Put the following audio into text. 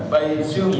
bay siêu nhẹ